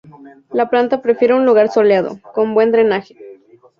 La planta prefiere un lugar soleado, con buen drenaje.